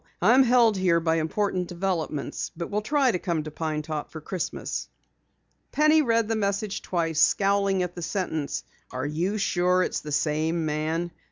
I am held here by important developments, but will try to come to Pine Top for Christmas." Penny read the message twice, scowling at the sentence: "Are you sure it is the same man?"